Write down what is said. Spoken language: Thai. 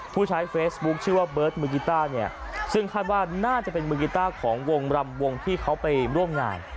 ผู้ใช้เฟซบุ๊คชื่อว่าเบิร์ตมือกีต้าเนี่ยซึ่งคาดว่าน่าจะเป็นมือกีต้าของวงรำวงที่เขาไปร่วมงาน